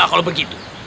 aku akan menangkapmu